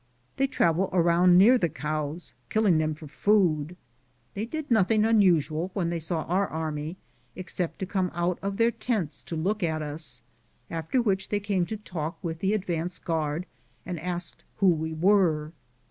They travel around near the cows, killing them for food. They did nothing unusual when they saw our army, except to come out of their tents to look at us, after which they came to talk with the advance guard, and aaked who we were.